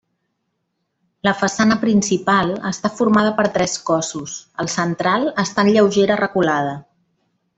La façana principal està formada per tres cossos, el central està en lleugera reculada.